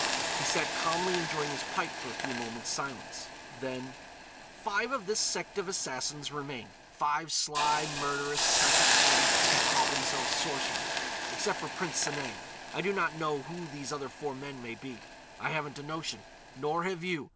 He sat calmly enjoying his pipe for a few moments' silence, then: "Five of this sect of Assassins remain—five sly, murderous, psychic adepts who call themselves sorcerers. Except for Prince Sanang, I do not know who these other four men may be. I haven't a notion. Nor have you.